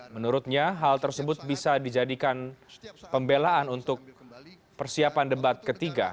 menurutnya hal tersebut bisa dijadikan pembelaan untuk persiapan debat ketiga